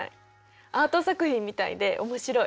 アート作品みたいで面白い。